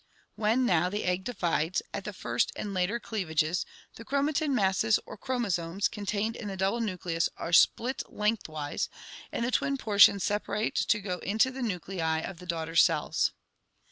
When, now, the egg divides, at the first and later cleavages the chromatin masses or chromosomes contained in the double nucleus are split length wise and the twin portions sepa rate to go into the nuclei of the daughter cells.